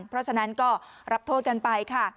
เพราะฉะนั้นก็รับโทษกันไปค่ะ